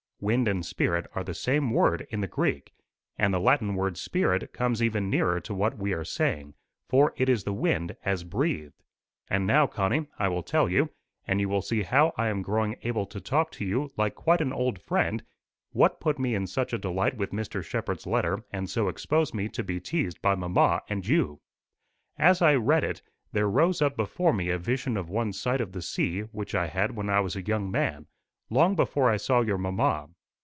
Wind and spirit are the same word in the Greek; and the Latin word spirit comes even nearer to what we are saying, for it is the wind as breathed. And now, Connie, I will tell you and you will see how I am growing able to talk to you like quite an old friend what put me in such a delight with Mr. Shepherd's letter and so exposed me to be teased by mamma and you. As I read it, there rose up before me a vision of one sight of the sea which I had when I was a young man, long before I saw your mamma.